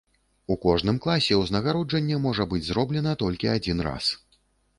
У кожным класе ўзнагароджанне можа быць зроблена толькі адзін раз.